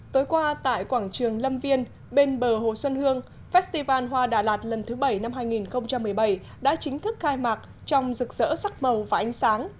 tối qua tại quảng trường lâm viên bên bờ hồ xuân hương festival hoa đà lạt lần thứ bảy năm hai nghìn một mươi bảy đã chính thức khai mạc trong rực rỡ sắc màu và ánh sáng